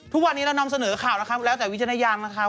ทุกวันนี้เรานำเสนอข่าวแล้วแต่วิจารณญาณนะคะ